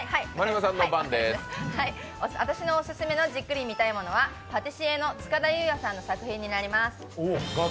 私のオススメのじっくり見たいものは、パティシエの塚田悠也さんの作品になります。